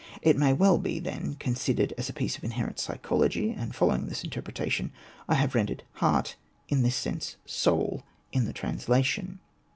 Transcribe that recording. It may well, then, be considered as a piece of inherent psychology : and following this interpreta tion, I have rendered "heart" in this sense " soul " in the translation.